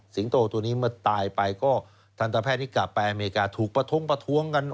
โตตัวนี้เมื่อตายไปก็ทันตแพทย์ที่กลับไปอเมริกาถูกประท้งประท้วงกัน